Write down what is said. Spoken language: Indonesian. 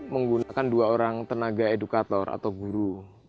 menggunakan dua orang tenaga edukator atau guru